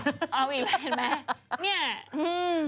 เอาอีกแล้วเห็นไหมเนี่ย